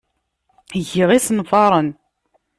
Giɣ isenfaren.